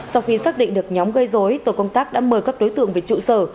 sau khi xác định được nhóm gây dối tổ công tác đã mời các đối tượng về trụ sở